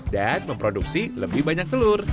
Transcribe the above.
dan memproduksi lebih banyak telur